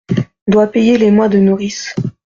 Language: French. Doit payer les mois de nourrice.